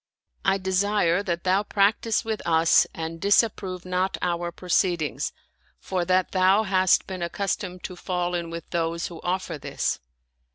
I desire that thou practice with us and disapprove not our proceedings, for that thou hast been ac customed to fall in with those who offer this."